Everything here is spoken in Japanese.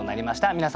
皆様